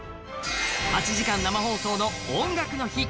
８時間生放送の「音楽の日」